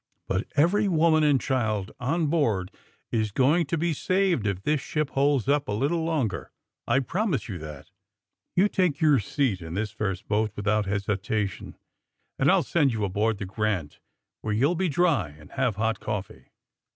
"But every woman and child on board is going AKD THE SMUGGLERS 129 to be saved if this ship holds iix3 a little longer. I promise you that. You take your seat in this first boat without hesitation, and I'll send you aboard the ^ Grant' where you'll be dry and have hot coffee."